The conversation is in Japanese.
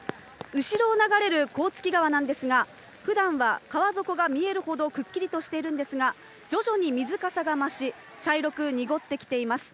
後ろを流れる甲突川なんですが、ふだんは川底が見えるほどくっきりとしているんですが、徐々に水かさが増し、茶色く濁ってきています。